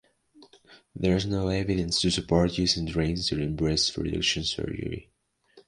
There is no evidence to support using drains during breast reduction surgery.